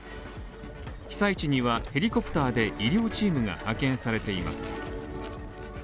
被災地にはヘリコプターで医療チームが派遣されています。